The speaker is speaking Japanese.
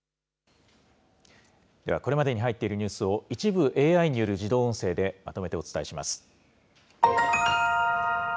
では、これまでに入っているニュースを、一部ＡＩによる自動音声でまとめてお伝えします。